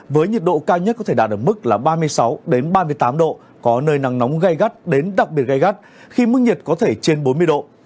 với nhiệt độ cao nhất có thể đạt ở mức là ba mươi sáu ba mươi tám độ có nơi nắng nóng gai gắt đến đặc biệt gai gắt khi mức nhiệt có thể trên bốn mươi độ